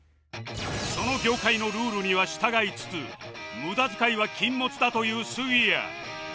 その業界のルールには従いつつ無駄遣いは禁物だという杉谷